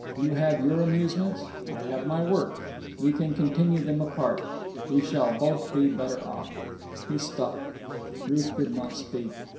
You have your amusements. I have my work. We can continue them apart. We shall both be better off." He stopped. Ruth did not speak.